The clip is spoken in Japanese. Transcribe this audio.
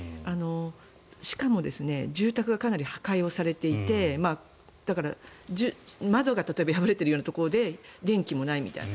しかも住宅がかなり破壊されていてだから、窓が例えば壊れているところで電気もないみたいな。